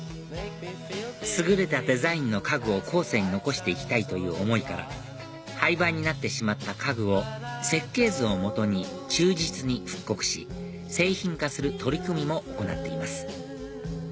優れたデザインの家具を後世に残していきたいという思いから廃盤になってしまった家具を設計図を基に忠実に復刻し製品化する取り組みも行っています